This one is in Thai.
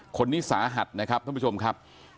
คนนี้สาหัสนะครับท่านผู้ชมครับ